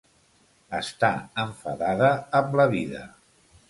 Està enfadada amb la vida.